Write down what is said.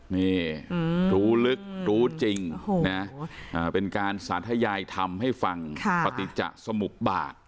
นี่รู้ลึกรู้จริงนะเป็นการสาธยายธรรมให้ฟังปฏิจะสมุบบาท